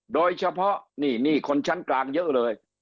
โดยเฉพาะนี่คนชั้นกลางเยอะเลย